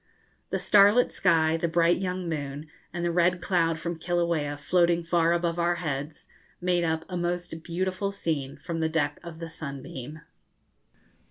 The starlit sky, the bright young moon, and the red cloud from Kilauea, floating far above our heads, made up a most beautiful scene from the deck of the 'Sunbeam.'